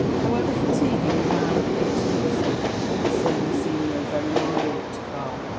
'' However fatiguing the mile appeared to Lucy, it certainly seemed BO very long walk to Karl.